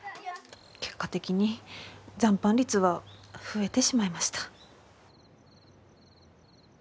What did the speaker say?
結果的に残飯率は増えてしまいました。